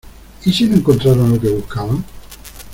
¿ y si no encontraron lo que buscaban?